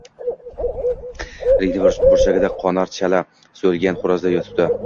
Ringni bir burchagida Qonor chala soʻyilgan xoʻrozday yotibdi.